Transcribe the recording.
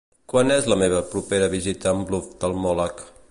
Quan és la meva propera visita amb l'oftalmòleg?